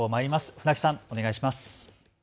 船木さん、お願いします。